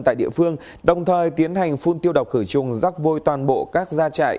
tại địa phương đồng thời tiến hành phun tiêu độc khử trùng rắc vôi toàn bộ các gia trại